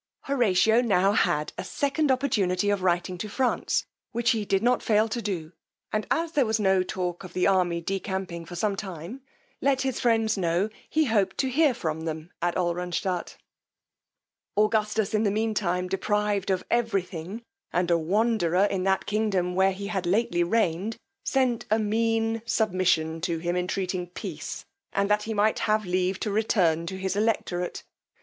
Horatio had now a second opportunity of writing to France, which he did not fail to do, and, as there was no talk of the army decamping for some time, let his friends know he hoped to hear from them at Alranstadt. Augustus, in the mean time deprived of every thing, and a wanderer in that kingdom where he had lately reigned, sent a mean submission to him, entreating peace, and that he might have leave to return to his electorate.